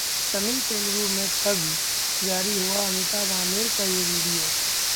तमिल-तेलुगू में ठग्स..., जारी हुआ अमिताभ-आमिर का ये वीडियो